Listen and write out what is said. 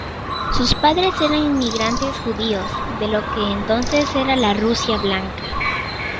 Sus padres eran inmigrantes judíos de lo que entonces era la Rusia blanca.